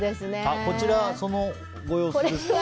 こちらがそのご様子ですか。